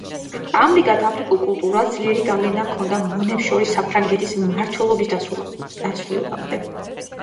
ამრიგად აფრიკულ კულტურას ძლიერი გავლენა ჰქონდა მონებს შორის საფრანგეთის მმართველობის დასრულებამდე.